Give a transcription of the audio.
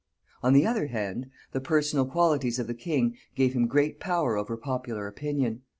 On the other hand, the personal qualities of the king gave him great power over popular opinion.